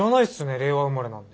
令和生まれなんで。